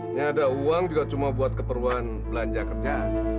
ini ada uang juga cuma buat keperluan belanja kerjaan